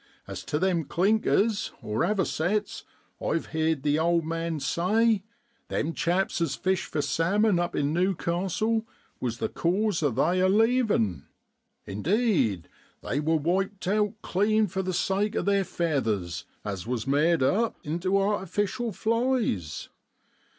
As tu them clinkers (avocets), I've heerd the old man say, them chaps as fish for salmon up in New castle was the cause o' they a leavin' ! indeed, they wor wiped out clean for the sake o' their feathers, as was made up into artificial flies.